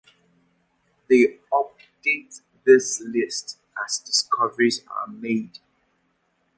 They update this list as discoveries are made.